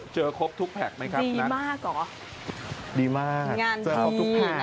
เจอครบทุกแพ็คไหมครับ